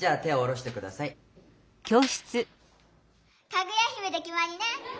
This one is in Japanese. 「かぐや姫」できまりね！